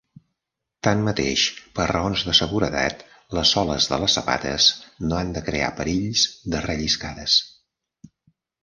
Tanmateix, per raons de seguretat, les soles de les sabates no han de crear perills de relliscades.